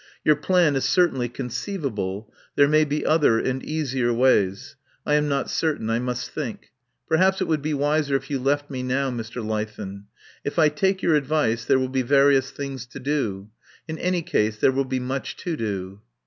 Your plan is certainly conceivable. There may be other and easier ways. I am not cer tain. I must think. ... Perhaps it would be wiser if you left me now, Mr. Leithen. If I take your advice there will be various things to do. ... In any case there will be much to do.